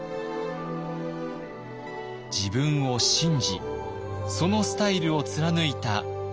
自分を信じそのスタイルを貫いた浅野総一郎。